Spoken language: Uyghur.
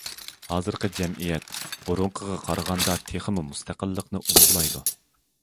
ھازىرقى جەمئىيەت بۇرۇنقىغا قارىغاندا تېخىمۇ مۇستەقىللىقنى ئۇلۇغلايدۇ.